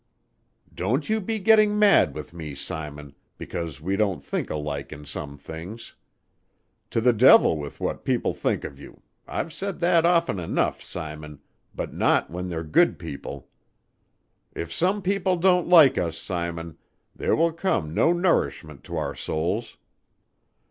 "Don't you be getting mad with me, Simon, because we don't think alike in some things. To the devil with what people think of you I've said that often enough, Simon, but not when they're good people. If some people don't like us, Simon, there will come no nourishment to our souls.